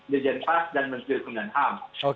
jejen pask dan menteri hukum dan ham